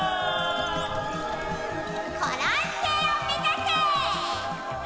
コロンせいをめざせ！